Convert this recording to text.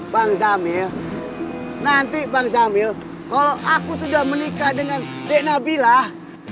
bang samil nanti bang samil kalau aku sudah menikah dengan dek nabilah